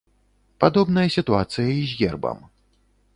Падобная сітуацыя і з гербам.